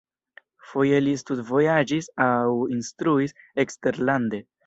Foje li studvojaĝis aŭ instruis eksterlande.